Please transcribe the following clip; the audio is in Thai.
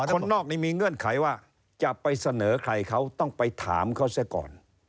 คนนอกนี้มีเงื่อนไขว่าจะไปเสนอใครเขาต้องไปถามเขาเสียก่อน